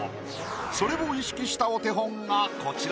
それを意識したお手本がこちら。